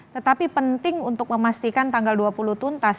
tetapi penting untuk memastikan tanggal dua puluh tuntas